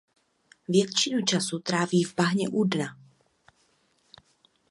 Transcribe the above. Většinu času tráví v bahně u dna.